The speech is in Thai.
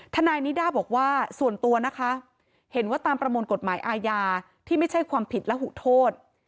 ทนายนิด้าบอกว่าส่วนตัวนะคะเห็นว่าตามประมวลกฎหมายอาญาที่ไม่ใช่ความผิดและหูโทษ